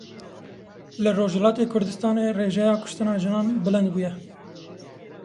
Li Rojhilatê Kurdistanê rêjeya kuştina jinan bilind bûye.